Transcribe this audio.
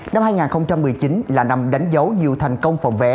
năm hai nghìn một mươi chín là năm đánh dấu nhiều thành công phòng vé